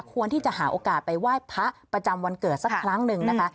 ควรที่จะหาโอกาสไปไหว้พระประจำวันเกิดสักครั้งหนึ่งนะคะ